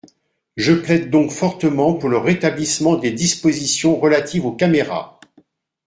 Je plaide donc fortement pour le rétablissement des dispositions relatives aux caméras.